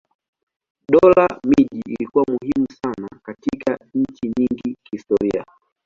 Dola miji ilikuwa muhimu sana katika nchi nyingi kihistoria.